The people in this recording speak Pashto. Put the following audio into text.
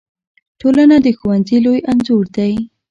ټولنه د ښوونځي لوی انځور دی.